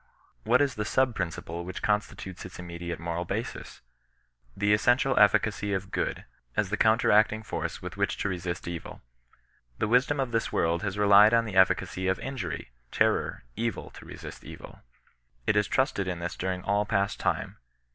What is the sub principle which constitutes its immediate moral basis ? The essen tial efficacy of good, as the counteracting force with which to resist evil. The wisdom of this world has re lied on the efficacy of injury, terror, evil, to resist evil. It has trusted in this during all past time.